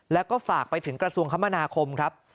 แล้วก็ฝากไปถึงกระทรวงคมนาคมครับ